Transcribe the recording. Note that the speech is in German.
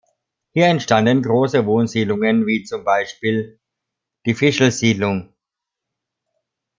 Hier entstanden große Wohnsiedlungen wie zum Beispiel die Fischl-Siedlung.